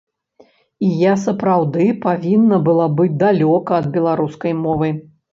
І я сапраўды павінна была быць далёка ад беларускай мовы.